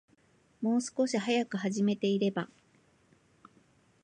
もう少し早く始めていれば